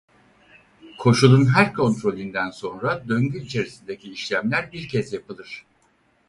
Koşulun her kontrolünden sonra döngü içerisindeki işlemler bir kez yapılır.